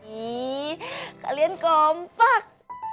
ihh kalian kompak